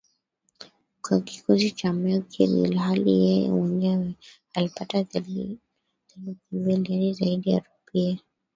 kwa kikosi cha Merkl ilhali yeye mwenyewe alipata theluthi mbili yaani zaidi ya rupia